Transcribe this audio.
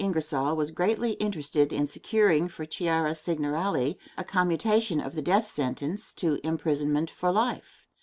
Ingersoll was greatly interested in securing for Chiara Cignarale a commutation of the death sentence to imprisonment for life.